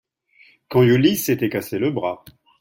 Quand Yulizh s'était cassée le bras.